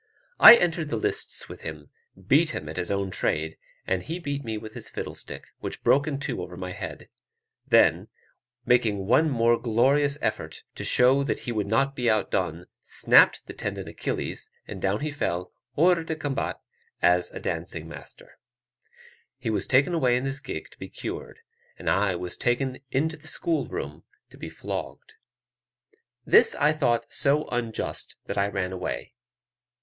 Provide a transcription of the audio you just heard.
I entered the lists with him, beat him at his own trade, and he beat me with his fiddle stick, which broke in two over my head; then, making one more glorious effort to show that he would not be outdone, snapped the tendon Achilles, and down he fell, hors de combat as a dancing master. He was taken away in his gig to be cured, and I was taken into the school room to be flogged. This I thought so unjust that I ran away.